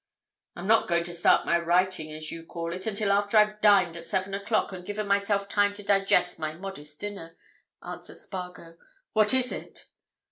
"I'm not going to start my writing as you call it, until after I've dined at seven o'clock and given myself time to digest my modest dinner," answered Spargo. "What is it?"